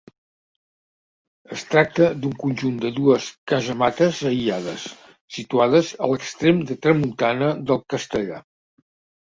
Es tracta d'un conjunt de dues casamates aïllades, situades a l'extrem de tramuntana del Castellar.